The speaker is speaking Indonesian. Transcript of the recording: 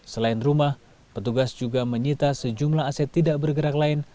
selain rumah petugas juga menyita sejumlah aset tidak bergerak lain